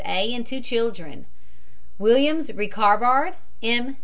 A., and two children. WILLIAMS, RICHARD M.